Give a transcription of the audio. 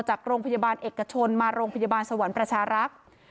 จากโรงพยาบาลเอกชนมาโรงพยาบาลสวรรค์ประชารักษ์